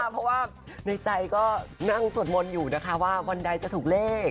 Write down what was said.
เพราะว่าในใจก็นั่งสวดมนต์อยู่นะคะว่าวันใดจะถูกเลข